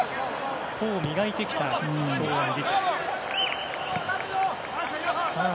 個を磨いてきた堂安律。